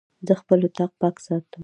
زه خپل اطاق پاک ساتم.